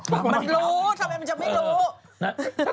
มันรู้ทำไมมันจะไม่รู้นะ